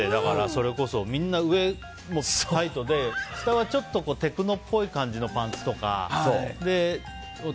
それこそみんな上タイトで下はちょっとテクノっぽい感じのパンツとか。